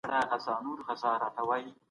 ملکيت د هوساينې لپاره دی.